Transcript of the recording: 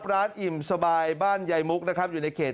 ร้านอิ่มสะบายบ้านไยมุกอยู่ในเขต